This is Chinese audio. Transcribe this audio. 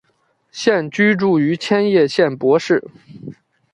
现居住于千叶县柏市。